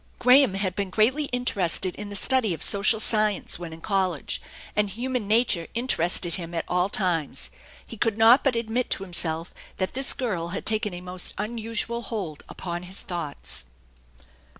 Graham had been greatly interested in the study of social science when in college, and human nature interested him at all times. He could not but admit to himself that this girl had taken a most unusual hold upon his thoughts.